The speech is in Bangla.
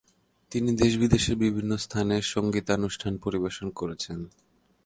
তিনি দেশ বিদেশের বিভিন্ন স্থানে সঙ্গীতানুষ্ঠান পরিবেশন করেছেন।